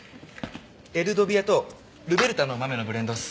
エルドビアとルベルタの豆のブレンドっす。